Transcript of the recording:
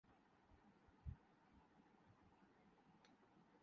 یہی مسئلہ درپیش ہے۔